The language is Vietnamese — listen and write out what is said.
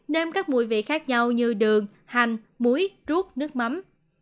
nêm các mùi vị khác nhau như đường hành muối ruốt nước mắm